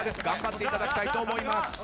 頑張っていただきたいと思います。